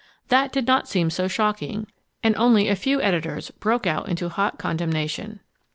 That did not seem so shocking and only a few editors broke out into hot condemnation.